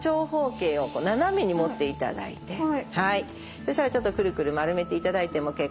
そしたらちょっとくるくるまるめていただいても結構です。